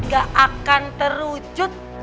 gak akan terwujud